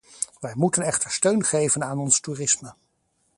Wij moeten echter steun geven aan ons toerisme.